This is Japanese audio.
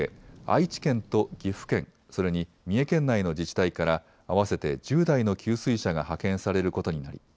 愛知県と岐阜県、それに三重県内の自治体から合わせて１０台の給水車が派遣されることになり